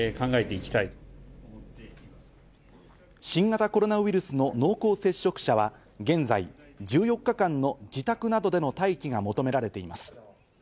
新型コロナウイルスの濃厚接触者は現在１４日間の自宅などでの待機が求められています。